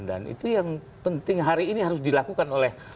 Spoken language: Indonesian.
dan itu yang penting hari ini harus dilakukan oleh